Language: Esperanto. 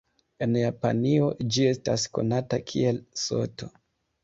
En Japanio, ĝi estas konata kiel Soto.